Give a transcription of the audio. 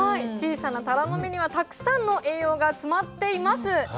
小さなタラの芽にはたくさんの栄養が詰まっています。